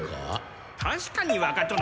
たしかに若殿だ。